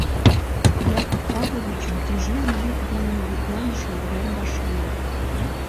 Яков Павловичым тӱжем йӱк дене йӱкланыше урем вашлие.